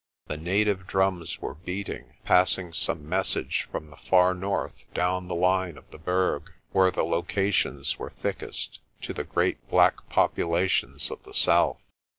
The native drums were beating, passing some message from the far north down the line of the Berg, where the locations were thickest, to the great black populations of the south.